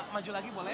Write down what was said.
maju lagi boleh